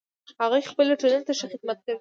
هغوی خپلې ټولنې ته ښه خدمت کوي